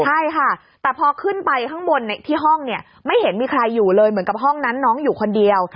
ใช่ค่ะแต่พอขึ้นไปข้างบนที่ห้องเนี่ยไม่เห็นมีใครอยู่เลยเหมือนกับห้องนั้นน้องอยู่คนเดียว